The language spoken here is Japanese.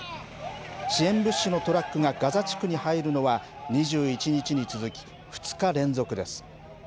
支援物資のトラックがガザ地区に入るのは、２１日に続き２日連続です。